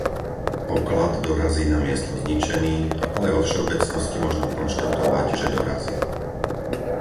Poklad dorazí na miesto zničený, ale vo všeobecnosti možno konštatovať, že dorazí.